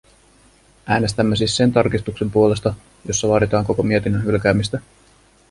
Äänestämme siis sen tarkistuksen puolesta, jossa vaaditaan koko mietinnön hylkäämistä.